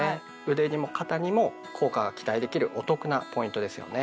腕にも肩にも効果が期待できるお得なポイントですよね。